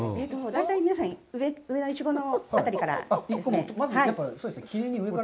大体皆さん、上のイチゴの辺りから。